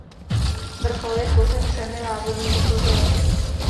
Vrchol je tvořen třemi lávovými kužely.